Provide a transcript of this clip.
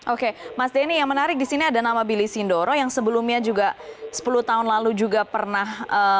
oke mas denny yang menarik di sini ada nama billy sindoro yang sebelumnya juga sepuluh tahun lalu juga pernah